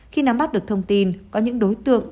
khi nắm bắt được thông tin có những đối tượng